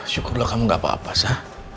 syukurlah kamu gak apa apa sah